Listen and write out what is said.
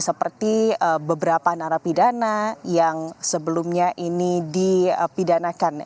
seperti beberapa narapidana yang sebelumnya ini dipidanakan